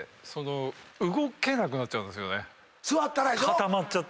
固まっちゃって。